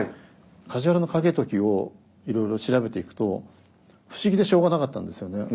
梶原景時をいろいろ調べていくと不思議でしょうがなかったんですよね。